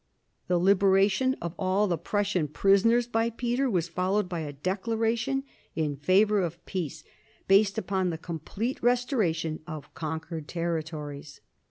The liberation of all the Prussian prisoners by Peter was followed by a declaration in favour of peace, based upon the complete restoration of conquered territories.